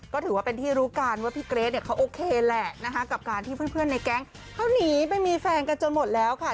ก็ถือว่าเป็นที่รู้กันว่าพี่เกรทเนี่ยเขาโอเคแหละนะคะกับการที่เพื่อนในแก๊งเขาหนีไปมีแฟนกันจนหมดแล้วค่ะ